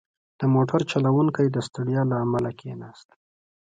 • د موټر چلوونکی د ستړیا له امله کښېناست.